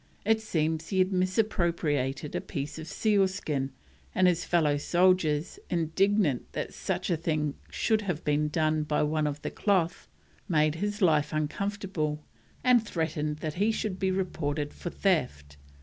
It seems he had misappropriated a piece of sealskin, and his fellow soldiers, indignant that such a thing should have been done by one of the cloth, made his life uncomfortable and threatened that he should be reported for theft.